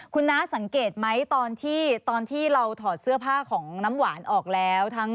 คุณน้าสังเกตไหมตอนที่เราถอดเสื้อผ้าของน้ำหวานออกแล้ว